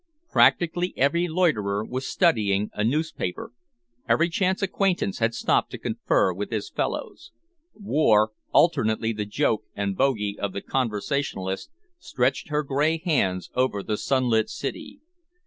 Practically every loiterer was studying a newspaper, every chance acquaintance had stopped to confer with his fellows. War, alternately the joke and bogey of the conversationalist, stretched her grey hands over the sunlit city.